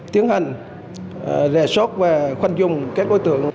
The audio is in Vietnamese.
tiến hành rè sót và khoanh dùng các đối tượng